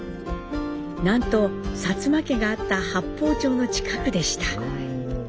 なんと薩摩家があった八峰町の近くでした。